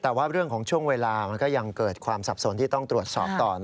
แต่ว่าเรื่องของช่วงเวลามันก็ยังเกิดความสับสนที่ต้องตรวจสอบต่อ